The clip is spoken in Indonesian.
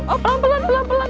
oh pelan pelan pelan pelan